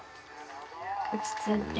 落ち着いて。